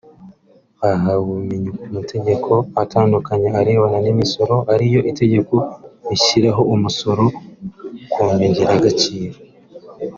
Bahawe ubumenyi ku mategeko atandukanye arebana n’imisoro ariyo itegeko rishyiraho umusoro ku nyongeragaciro